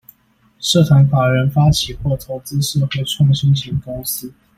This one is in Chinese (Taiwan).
社團法人發起或投資社會創新型公司